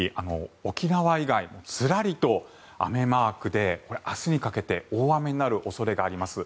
沖縄以外、ずらりと雨マークでこれ、明日にかけて大雨になる恐れがあります。